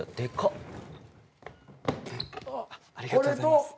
ありがとうございます。